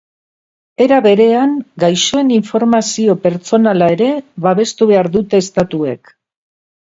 Era berean, gaixoen informazio pertsonala ere babestu behar dute estatuek.